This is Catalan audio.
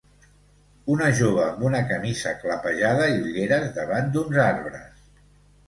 Una jove amb una camisa clapejada i ulleres davant d'uns arbres.